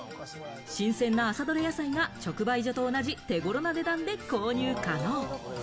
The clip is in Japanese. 新鮮な朝どれ野菜が直売所と同じ手ごろな値段で購入可能。